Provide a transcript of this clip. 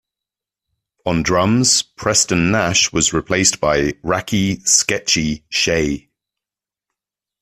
On drums, Preston Nash was replaced by Racci "Sketchy" Shay.